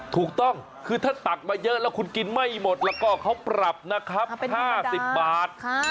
ถูกต้องคือถ้าตักมาเยอะแล้วคุณกินไม่หมดแล้วก็เขาปรับนะครับ๕๐บาท